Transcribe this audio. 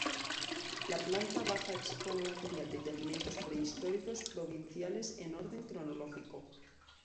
La planta baja expone material de yacimientos prehistóricos provinciales en orden cronológico.